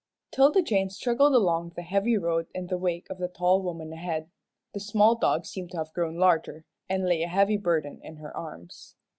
'Tilda Jane struggled along the heavy road in the wake of the tall woman ahead. The small dog seemed to have grown larger, and lay a heavy burden in her arms.